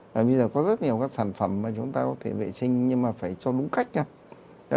bây giờ có rất nhiều các sản phẩm mà chúng ta có thể vệ sinh nhưng mà phải cho đúng cách nhé